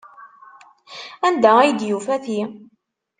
Anda ay d-yufa ti?